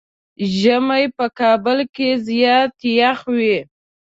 ژمی په کابل کې زيات يخ وي.